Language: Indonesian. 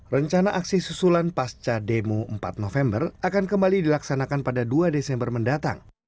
rencana aksi susulan pasca demo empat november akan kembali dilaksanakan pada dua desember mendatang